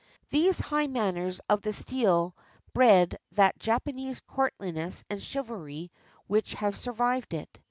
These high manners of the steel bred that Japanese courtliness and chivalry which have survived it.